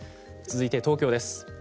続いて東京です。